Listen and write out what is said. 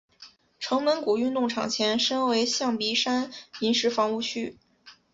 城门谷运动场前身为象鼻山临时房屋区。